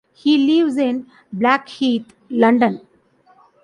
He lives in Blackheath, London.